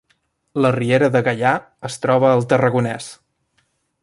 La Riera de Gaià es troba al Tarragonès